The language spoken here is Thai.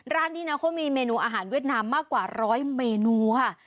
ร้านนี้นะเขามีเมนูอาหารเวียดนามมากกว่าร้อยเมนูค่ะ